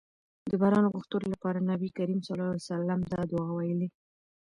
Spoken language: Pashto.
د باران غوښتلو لپاره نبي کريم صلی الله علیه وسلم دا دعاء ويلي